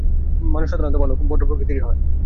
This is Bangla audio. মানুষ সাধারণত ভালো, ভদ্র প্রকৃতিরই হয়।